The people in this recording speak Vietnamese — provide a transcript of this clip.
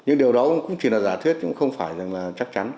nhưng điều đó cũng chỉ là giả thiết cũng không phải là chắc chắn